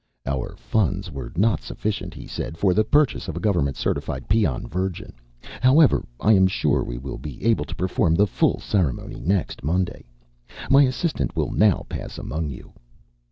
"Our funds were not sufficient," he said, "for the purchase of a government certified peon virgin. However, I am sure we will be able to perform the full ceremony next Monday. My assistant will now pass among you...."